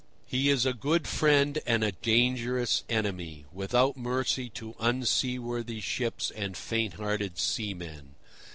He is a good friend and a dangerous enemy, without mercy to unseaworthy ships and faint hearted seamen.